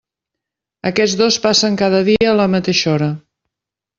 Aquests dos passen cada dia a la mateixa hora.